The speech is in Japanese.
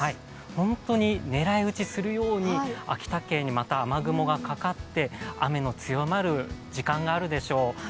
本当に狙い打ちするように秋田県にまた雨雲がかかって、雨の強まる時間があるでしょう。